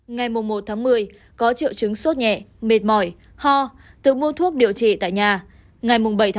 ngày một một mươi có triệu chứng suốt nhẹ mệt mỏi ho tự mua thuốc điều trị tại nhà